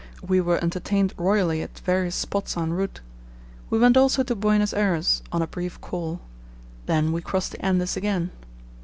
We were entertained royally at various spots en route. We went also to Buenos Ayres on a brief call. Then we crossed the Andes again.